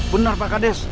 benar pak kardes